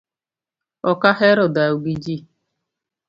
Ok ahero dhao gi ji